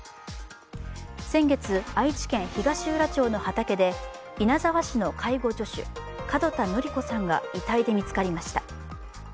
先月、愛知県東浦町の畑で稲沢市の介護助手、門田典子さんが遺体で見つかりました。